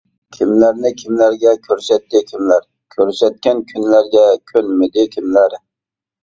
كىملەرنى كىملەرگە كۆرسەتتى كىملەر، كۆرسەتكەن كۈنلەرگە كۆنمىدى كىملەر.